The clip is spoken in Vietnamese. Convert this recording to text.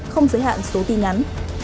không giới hạn số tin ngắn